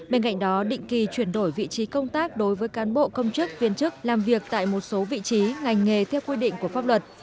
bên cạnh đó định kỳ chuyển đổi vị trí công tác đối với cán bộ công chức viên chức làm việc tại một số vị trí ngành nghề theo quy định của pháp luật